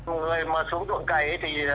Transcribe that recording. người mà xuống ruộng cầy thì